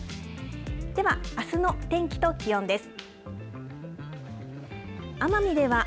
では、あすの天気と気温です。